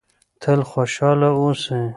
تل خوشحاله اوسئ.